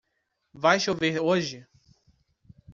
Vai chover hoje?